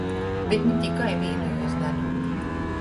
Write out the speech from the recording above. Bet ni tikai vīnu juos daļu.